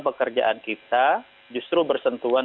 pekerjaan kita justru bersentuhan